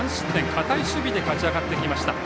堅い守備で勝ち上がってきました。